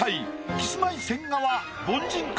キスマイ・千賀は凡人か？